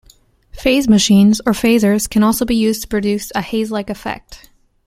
Faze machines, or fazers, can also be used to produce a haze-like effect.